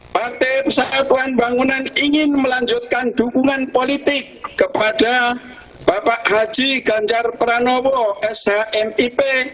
partai persatuan bangunan ingin melanjutkan dukungan politik kepada bapak haji ganjar pranowo shmip